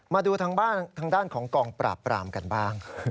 มาดูทางด้านของกองปราบปรามกันบ้าง